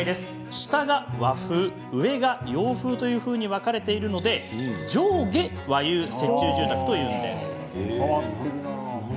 上が洋風で下が和風というふうにきれいに分かれているので上下和洋折衷住宅というんです。